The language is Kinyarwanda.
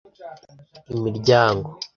Imiryango